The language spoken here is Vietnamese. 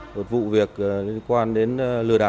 hợp vụ việc liên quan đến lừa đảo của chuyên gia